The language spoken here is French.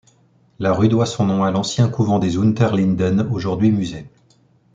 La rue doit son nom à l'ancien couvent des Unterlinden, aujourd'hui musée.